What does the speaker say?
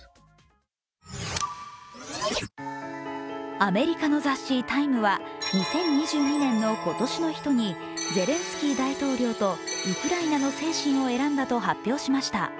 アメリカの雑誌「ＴＩＭＥ」は２０２２年の今年の人にゼレンスキー大統領とウクライナの精神を選んだと発表しました。